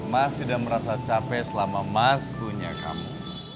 mas tidak merasa capek selama mas punya kamu